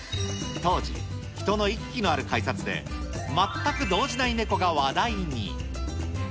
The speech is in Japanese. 当時、人の行き来のある改札で、全く動じないネコが話題に。